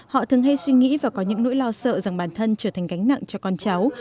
họ thường hay suy nghĩ và có những nỗi lo sợ rằng bản thân trở thành gánh nặng cho con cháu